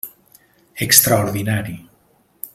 Extraordinari!